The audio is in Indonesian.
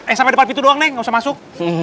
eh sampai depan pintu doang nih gak usah masuk